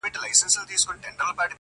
چي دي هر گړی زړه وسي په هوا سې.!